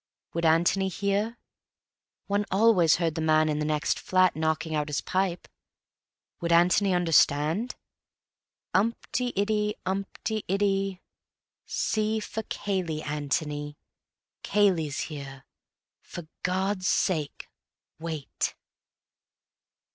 Would Antony hear? One always heard the man in the next flat knocking out his pipe. Would Antony understand? Umpt y iddy umpt y iddy. C. for Cayley, Antony. Cayley's here. For God's sake, wait.